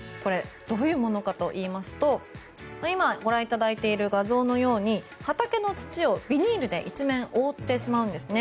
どういうものかといいますとご覧いただいている画像のように畑の土をビニールで一面覆ってしまうんです。